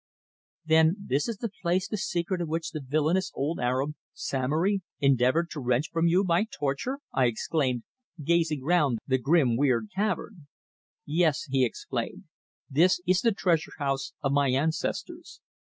"Then this is the place the secret of which the villainous old Arab, Samory, endeavoured to wrench from you by torture," I exclaimed, gazing round the grim, weird cavern. "Yes," he answered. "This is the Treasure house of my ancestors.